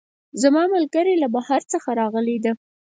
زما ملګرۍ له بهر څخه راغلی ده